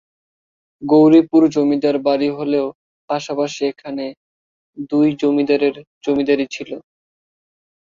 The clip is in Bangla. গৌরীপুর জমিদার বাড়ি হলেও পাশাপাশি এখানে দুই জমিদারের জমিদারী ছিল।